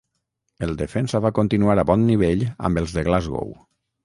El defensa va continuar a bon nivell amb els de Glasgow.